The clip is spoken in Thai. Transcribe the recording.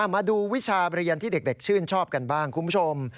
มาดูวิชาเรียนที่เด็กชื่นชอบกันบ้างคุณผู้ชม